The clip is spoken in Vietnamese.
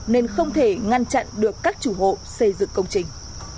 nên không thể ngăn chặn được các chủ hộ xây dựng công trình